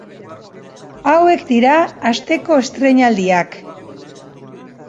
Hauek dira asteko estreinaldiak.